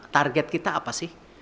target kita apa sih